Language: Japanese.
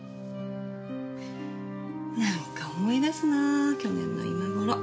なんか思い出すな去年の今頃。